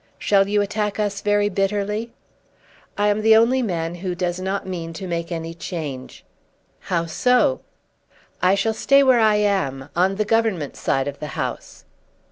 Shall you attack us very bitterly?" "I am the only man who does not mean to make any change." "How so?" "I shall stay where I am, on the Government side of the House."